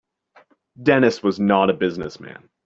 Dennis was not a business man.